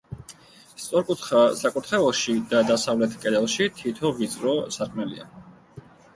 სწორკუთხა საკურთხეველში და დასავლეთ კედელში თითო ვიწრო სარკმელია.